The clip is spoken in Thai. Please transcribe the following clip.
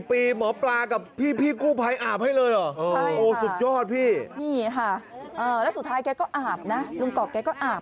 พี่กรอบพี่กรอบเชื่อดิอ่าอ่าอ่าอ่าอ่าอ่าอ่า